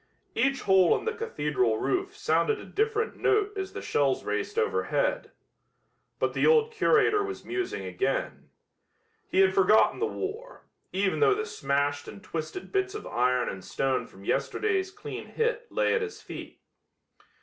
Each hole in the cathedral roof sounded a different note as the shells raced overhead. But the old curator was musing again. He had forgotten the war, even though the smashed and twisted bits of iron and stone from yesterday's clean hit lay at his feet.